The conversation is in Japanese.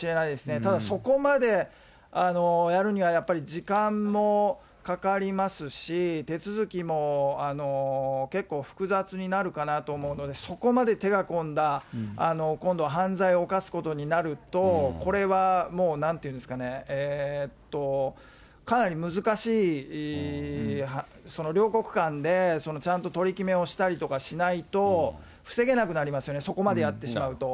ただ、そこまでやるにはやっぱり時間もかかりますし、手続きも結構複雑になるかなと思うので、そこまで手が込んだ、今度は犯罪を犯すことになると、これはもうなんて言うんですかね、かなり難しい、両国間でちゃんと取り決めをしたりとかしないと、防げなくなりますよね、そこまでやってしまうと。